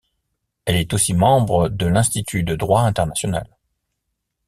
Elle est aussi membre de l'Institut de droit international.